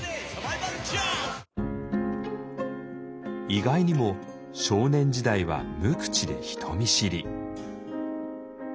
意外にも少年時代は無口で人見知り。